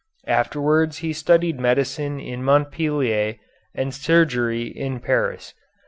Afterwards he studied medicine in Montpellier and surgery in Paris.